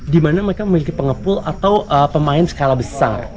dimana mereka memiliki pengepul atau pemain skala besar